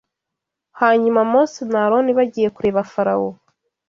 Hanyuma Mose na Aroni bagiye kureba Farawo